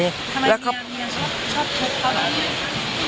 ทำไมเมียชอบทุบเขาแบบนี้